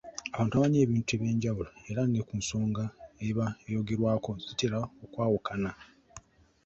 Abantu bamanyi ebintu eby’enjawulo era ne ku nsonga eba eyogerwako zitera okwawukana.